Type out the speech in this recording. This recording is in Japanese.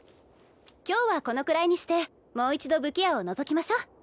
今日はこのくらいにしてもう一度武器屋をのぞきましょ。